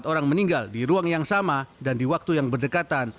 empat orang meninggal di ruang yang sama dan di waktu yang berdekatan